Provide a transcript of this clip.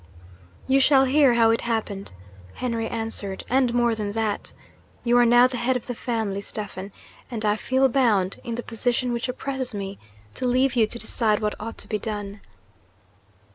'You shall hear how it happened,' Henry answered; 'and more than that. You are now the head of the family, Stephen; and I feel bound, in the position which oppresses me, to leave you to decide what ought to be done.'